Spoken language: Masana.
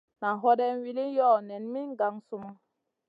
Nan hoday wilin yoh? Nen min gang sunu.